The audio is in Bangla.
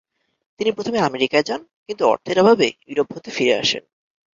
তিনি প্রথমে আমেরিকায় যান, কিন্তু অর্থের অভাবে ইউরোপ হতে ফিরে আসেন।